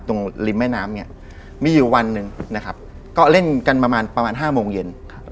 ริมแม่น้ำเนี่ยมีอยู่วันหนึ่งนะครับก็เล่นกันประมาณประมาณ๕โมงเย็น